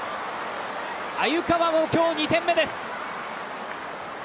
鮎川も今日２点目です！